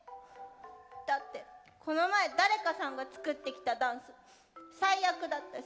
だってこの前誰かさんが作ってきたダンス最悪だったし。